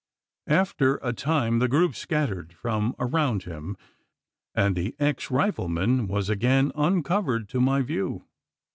After a time, the group scattered from around him, and the ex rifleman was again uncovered to my view.